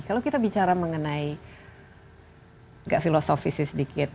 kalau kita bicara mengenai nggak filosofisnya sedikit